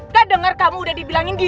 gak dengar kamu udah dibilangin diem